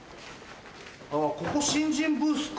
あっここ新人ブースか。